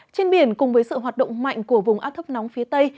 trên biển cùng với sự hoạt động mạnh của vùng áp thấp nóng phía tây